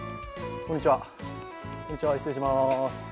こんにちは、失礼します。